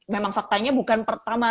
memang faktanya bukan pertama